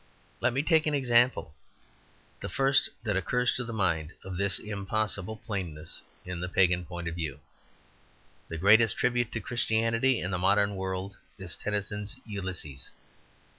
Let me take an example, the first that occurs to the mind, of this impossible plainness in the pagan point of view. The greatest tribute to Christianity in the modern world is Tennyson's "Ulysses."